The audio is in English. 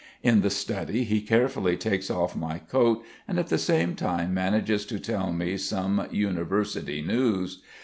In the study he carefully takes off my coat and at the same time manages to tell me some university news.